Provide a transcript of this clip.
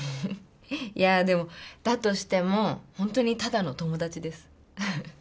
いやでもだとしても本当にただの友達です。